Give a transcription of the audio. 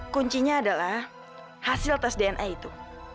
kuncinya adalah hasil tes dna itu